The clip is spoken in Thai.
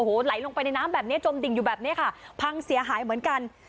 โอ้โหไหลลงไปในน้ำแบบนี้จมดิ่งอยู่แบบนี้ค่ะพังเสียหายเหมือนกัน